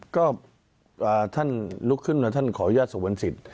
ก็ท่านลุกขึ้นว่าท่านขอยภัยสมสิต